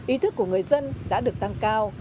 ý thức của người dân đã được tăng cao